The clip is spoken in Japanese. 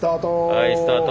はいスタート。